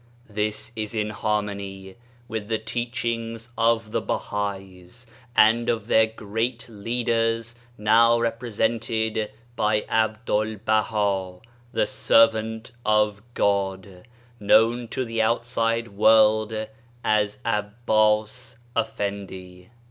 This is in harmony with the teach ings of the Bahais, and of their Great Leaders, now represented by Abdul Baha the * Servant of God,' known to the outside world as Abbas Effendi.